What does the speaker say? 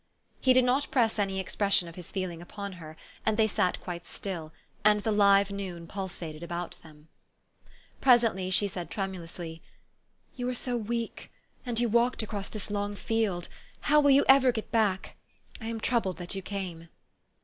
He did not press any expression of his feeling upon her, and they sat quite still, and the live noon pulsated about them. Presently she said tremulously, " You are so weak ! And you walked across this long field : how will you ever get back ? I am troubled that you came."